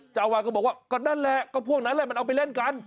เจ้าอาวาสก็บอกว่าก็นั่นแหละก็พวกนั้นแหละมันเอาไปเล่นกัน